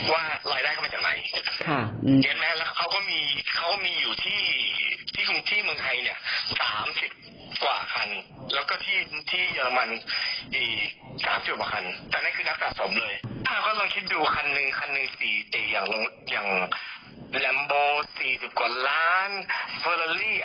ว่าใช่ไหมเขามีอยู่ที่ที่มือไทยเนี่ย๓๐กว่าคันแล้วก็ที่ที่เยอรมนี